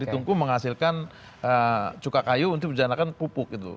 di tungku menghasilkan cuka kayu untuk menjalankan pupuk gitu